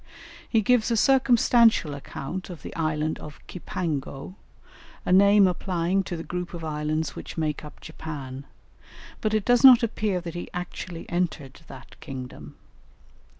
He gives a circumstantial account of the Island of Cipango, a name applying to the group of islands which make up Japan; but it does not appear that he actually entered that kingdom.